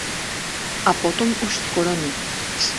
A potom už skoro nic.